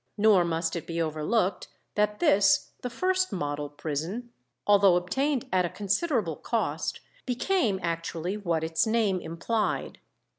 Nor must it be overlooked that this, the first model prison, although obtained at a considerable cost, became actually what its name implied.